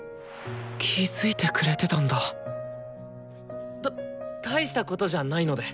気付いてくれてたんだた大したことじゃないので。